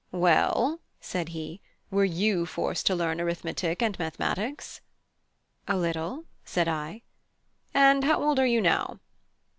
"Well," said he, "were you forced to learn arithmetic and mathematics?" "A little," said I. "And how old are you now?"